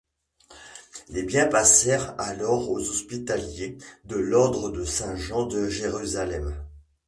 Les biens passèrent alors aux Hospitaliers de l'ordre de Saint-Jean de Jérusalem.